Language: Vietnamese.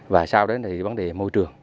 và sau đó thì vấn đề môi trường